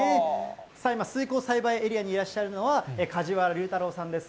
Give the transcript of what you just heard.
さあ、今、水耕栽培エリアにいらっしゃるのは、梶原隆太郎さんです。